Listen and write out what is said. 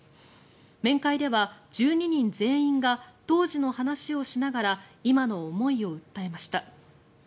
面会では１２人全員が当時の話をしながら今の思いを訴えました。